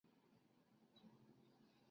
长臀鲃为鲤科长臀鲃属的鱼类。